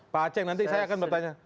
pak aceh nanti saya akan bertanya